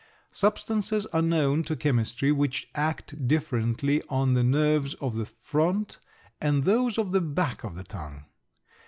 Substances are known to chemistry which act differently on the nerves of the front and those of the back of the tongue.